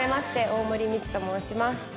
大森みちと申します。